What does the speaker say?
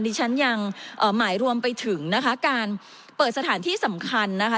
ดิฉันยังหมายรวมไปถึงนะคะการเปิดสถานที่สำคัญนะคะ